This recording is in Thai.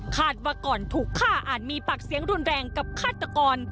คาดว่าก่อนถูกฆ่าอาจมีปากเสียงรุนแรงกับฆาตกร